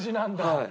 はい。